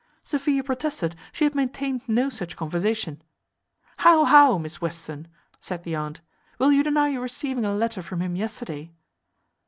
Sophia protested she had maintained no such conversation. "How, how! Miss Western," said the aunt; "will you deny your receiving a letter from him yesterday?"